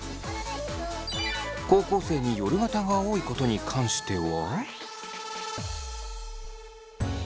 高校生に夜型が多いことに関しては。